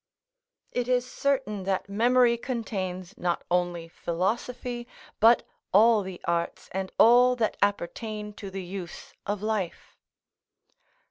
["It is certain that memory contains not only philosophy, but all the arts and all that appertain to the use of life."